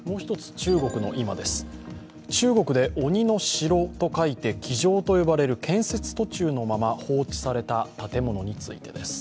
中国で、鬼の城とかいて鬼城と呼ばれる建設途中のまま放置された建物についてです。